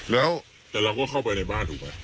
แต่เราก็เข้าไปในบ้านหรือเปล่า